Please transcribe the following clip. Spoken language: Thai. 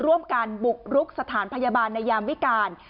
ร่วมกันบุกรุกสถานพยาบาลในยามวิการ